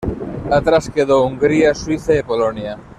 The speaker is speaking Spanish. Atrás quedó Hungría, Suiza y Polonia.